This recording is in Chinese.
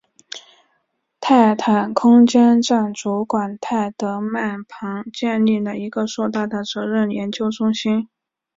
泰坦空间站主管泰德曼旁建立了一个硕大的责任研究中心。